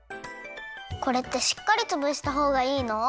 これってしっかりつぶしたほうがいいの？